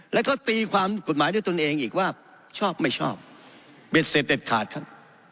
แล้วก็ตีความกฎหมายด้วยตนเองอีกว่าชอบไม่ชอบเบ็ดเสร็จเด็ดขาดครับ